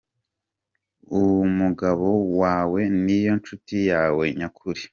Umugabo wawe ni yo nshuti yawe nyakuri.